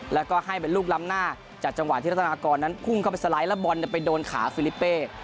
แล้วก็ให้เป็นลูกล้ำหน้าจากจังหวะที่รัฐนากรนั้นพุ่งเข้าไปสไลด์แล้วบอลไปโดนขาฟิลิปเป้